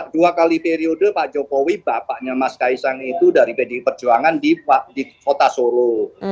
dua kali periode pak jokowi bapaknya mas kaisang itu dari pdi perjuangan di kota solo